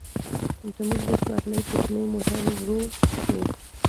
زموږ د سورلۍ کوچنی موټر ورو شو.